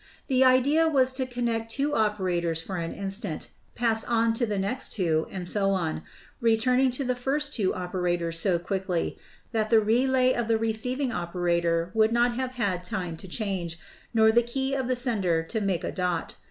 The idea was to connect two operators for an instant, pass on to the next two, and so on, returning to the first two operators so quickly that the relay of the receiving opera tor would not have had time to change nor the key of the sender to make a dot.